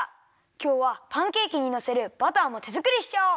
きょうはパンケーキにのせるバターもてづくりしちゃおう！